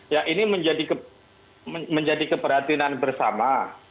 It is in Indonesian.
ya ini menjadi keperhatinan bersama